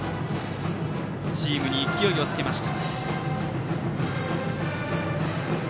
チームに勢いをつけました。